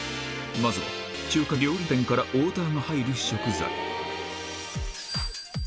まずは、中華料理店からオーダーが入る食材。